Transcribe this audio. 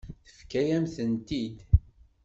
Tefka-yam-tent-id.